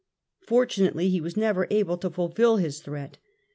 Fortunately he was never able to fulfil his threat.